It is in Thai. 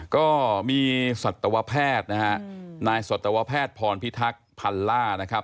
ก็มีสัตวแพทย์นะฮะนายสัตวแพทย์พรพิทักษ์พันล่านะครับ